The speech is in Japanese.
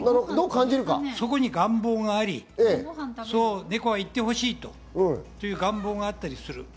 そこに願望があり、そう猫が言ってほしいという願望があったりする。